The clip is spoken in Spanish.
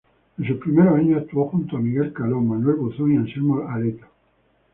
En sus primeros años actuó junto a Miguel Caló, Manuel Buzón y Anselmo Aieta.